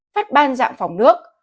phát ban dạng phòng nước